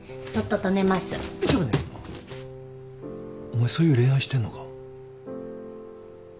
お前そういう恋愛してんのか？